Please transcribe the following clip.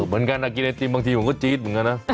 เหมือนกันกินไอติมบางทีผมก็จี๊ดเหมือนกันนะ